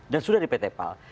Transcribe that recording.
dan sudah di pt pal